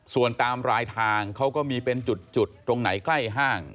ส่วนตามรายทางเขาก็มีเป็นจุดตรงไหนใกล้ห้าง